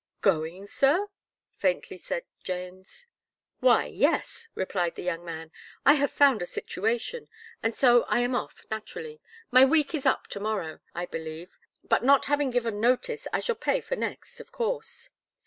"Going, Sir?" faintly said Jones. "Why yes!" replied the young man, "I have found a situation, and so I am off naturally. My week is up to morrow, I believe, but not having given notice, I shall pay for next, of course."